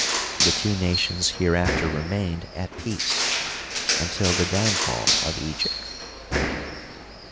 The two nations hereafter remained at peace until the downfall of Egypt.